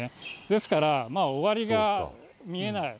ですから、終わりが見えない。